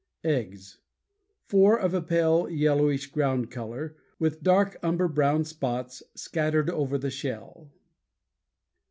EGGS Four, of a pale yellowish ground color, with dark umber brown spots scattered over the shell.